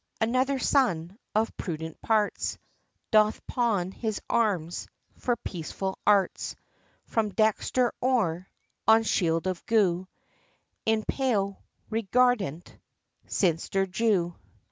ANOTHER Son, Of prudent parts, Doth Pawn his Arms, For peaceful arts; From Dexter or, On Shield of Gu, In pale, reguardant Sinister Jew.